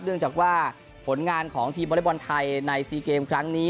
เนื่องจากว่าผลงานของทีมวอเล็กบอลไทยใน๔เกมครั้งนี้